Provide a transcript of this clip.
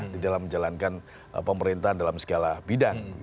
di dalam menjalankan pemerintahan dalam segala bidang